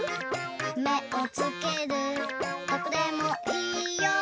「めをつけるどこでもいいよ」